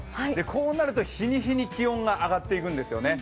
こうなると日に日に気温が上がっていくんですよね。